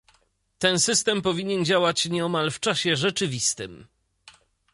Ten system powinien działać nieomal w czasie rzeczywistym